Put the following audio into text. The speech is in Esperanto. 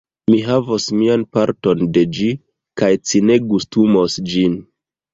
Mi havos mian parton de ĝi, kaj ci ne gustumos ĝin.